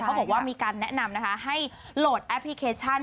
เขาบอกว่ามีการแนะนำนะคะให้โหลดแอปพลิเคชัน